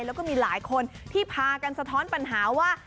แล้วก็มีหลายคนที่พากันสะท้อนปัญหาว่า